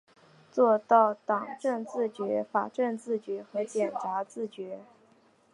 做到政治自觉、法治自觉和检察自觉